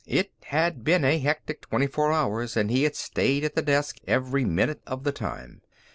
It had been a hectic twenty four hours and he had stayed at the desk every minute of the time.